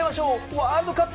ワールドカップ。